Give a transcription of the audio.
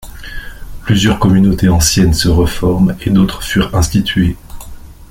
Plusieurs communautés anciennes se reforment, et d'autres furent instituées.